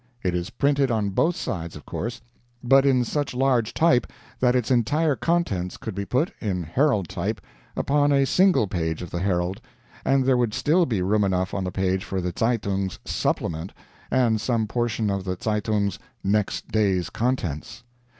It is printed on both sides, of course; but in such large type that its entire contents could be put, in HERALD type, upon a single page of the HERALD and there would still be room enough on the page for the ZEITUNG's "supplement" and some portion of the ZEITUNG's next day's contents.